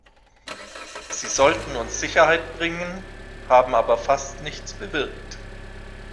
Sie sollten uns Sicherheit bringen, haben aber fast nichts bewirkt.